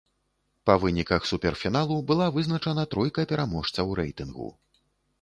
Па выніках суперфіналу была вызначана тройка пераможцаў рэйтынгу.